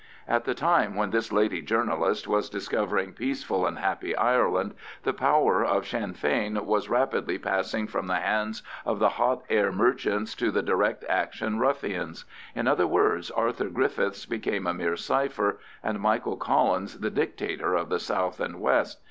At the time when this lady journalist was discovering peaceful and happy Ireland, the power of Sinn Fein was rapidly passing from the hands of the hot air merchants to the direct action ruffians; in other words, Arthur Griffiths became a mere cipher, and Michael Collins the dictator of the south and west.